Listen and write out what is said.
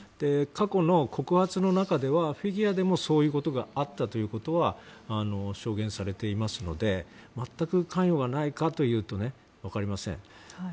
過去の告発の中ではフィギュアでもそういうことがあったというのは証言されていますので全く関与がないかというと分かりません。